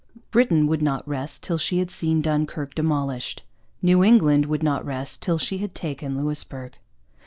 Britain would not rest till she had seen Dunkirk demolished. New England would not rest till she had taken Louisbourg.